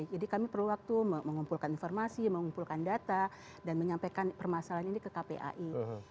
jadi kami perlu waktu mengumpulkan informasi mengumpulkan data dan menyampaikan permasalahan ini ke kpai